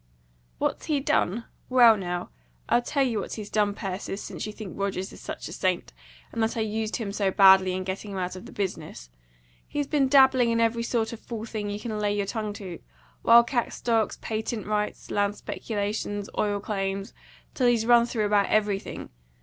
"What's he done? Well, now, I'll tell you what he's done, Persis, since you think Rogers is such a saint, and that I used him so badly in getting him out of the business. He's been dabbling in every sort of fool thing you can lay your tongue to, wild cat stocks, patent rights, land speculations, oil claims, till he's run through about everything.